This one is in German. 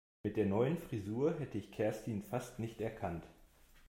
Mit der neuen Frisur hätte ich Kerstin fast nicht erkannt.